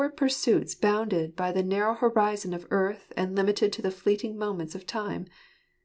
189 pursuits bqunded by the narrow horizon of earth, and limited to the fleeting moments of time